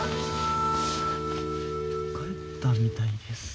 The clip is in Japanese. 帰ったみたいです。